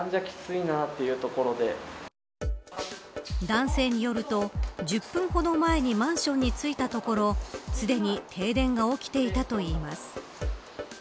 男性によると１０分ほど前にマンションに着いたところすでに停電が起きていたといいます。